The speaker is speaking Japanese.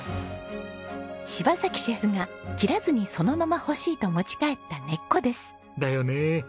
柴シェフが切らずにそのまま欲しいと持ち帰った根っこです。だよね。